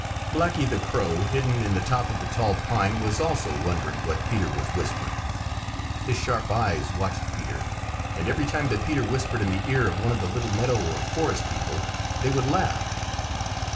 Blacky the Crow, hidden in the top of the tall pine, was also wondering what Peter was whispering. His sharp eyes watched Peter, and every time that Peter whispered in the ear of one of the little meadow or forest people, they would laugh.